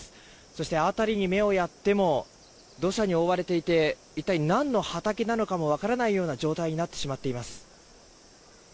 そして辺りに目をやっても土砂に覆われていて一体何の畑なのかも分からないような状態になってしまっています。